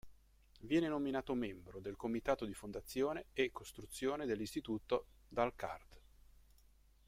Viene nominato membro del Comitato di Fondazione e costruzione dell'Istituto dal card.